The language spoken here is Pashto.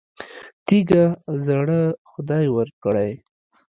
تیږه زړه خدای ورکړی.